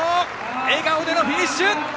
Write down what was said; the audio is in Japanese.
笑顔でのフィニッシュ！